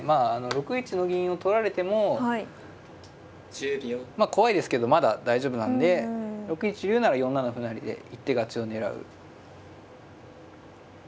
６一の銀を取られても怖いですけどまだ大丈夫なんで６一竜なら４七歩成で一手勝ちを狙う。